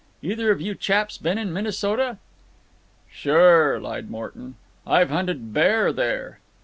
Either of you chaps been in Minnesota?" "Sure," lied Morton; "I've hunted bear there."